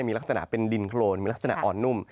มีลักษณะเป็นดินโครนมีลักษณะอ่อนนุ่ม